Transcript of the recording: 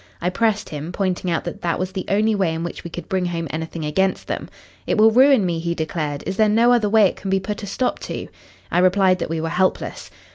I pressed him, pointing out that that was the only way in which we could bring home anything against them. 'It will ruin me,' he declared. 'Is there no other way it can be put a stop to?' I replied that we were helpless.